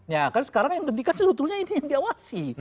ya kan sekarang yang penting kan sebetulnya ini yang diawasi